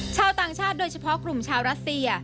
ชาวต่างชาติโดยเฉพาะกลุ่มชาวรัสเซีย